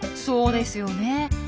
そうですよねえ。